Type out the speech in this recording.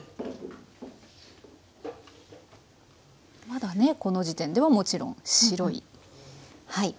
まだねこの時点ではもちろん白い寒天液です。